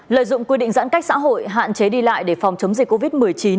lợi dụng quy định giãn cách xã hội hạn chế đi lại để phòng chống dịch covid một mươi chín